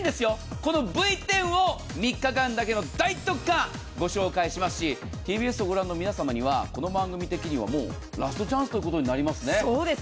このＶ１０を３日間だけの大特価、ご紹介しますし、ＴＢＳを御覧の皆さんにはこの番組的にはラストチャンスということになりますね。